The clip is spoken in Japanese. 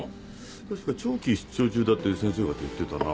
確か長期出張中だって先生方言ってたな。